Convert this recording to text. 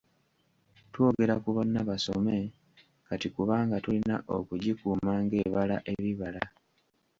Twogera ku `Bonna Basome' kati kubanga tulina okugikuuma ng'ebala ebibala.